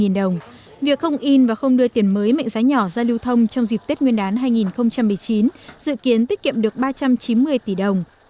việc không in và không đưa tiền mới mệnh giá nhỏ ra lưu thông trong dịp tết nguyên đán hai nghìn một mươi chín dự kiến tiết kiệm được ba trăm chín mươi tỷ đồng